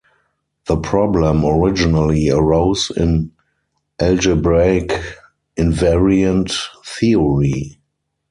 The problem originally arose in algebraic invariant theory.